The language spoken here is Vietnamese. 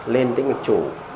lên tĩnh mạch chủ